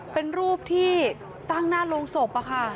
เป็นรูปที่ตั้งหน้าโรงศพ